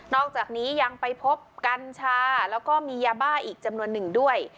อกจากนี้ยังไปพบกัญชาแล้วก็มียาบ้าอีกจำนวนหนึ่งด้วย